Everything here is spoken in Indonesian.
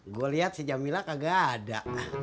gue lihat si jamila kagak ada